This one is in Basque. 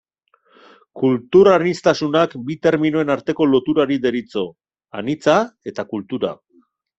Kulturaniztasunak bi terminoen arteko loturari deritzo, anitza eta kultura.